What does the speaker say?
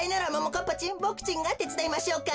かっぱちんボクちんがてつだいましょうか？